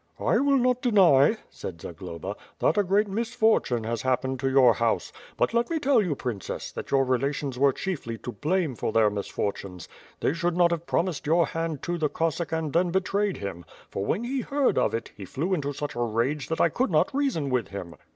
"I will not deny," said Zagloba, "that a great misfortune has happened to your house; but, let me tell you, Princess, that your relations were chiefly to blame for their misfortunes. They should not have promised your hand to the CoSvSack and then betrayed him; for when he heard of it, he flew into such a rage that I could not reason with him.